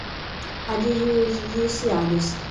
adjudicadas